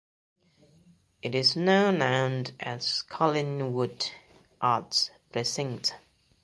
It is now known as Collingwood Arts Precinct.